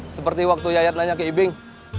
seperti waktu yayat nanya ke ibing